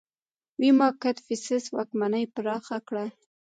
ویما کدفیسس واکمني پراخه کړه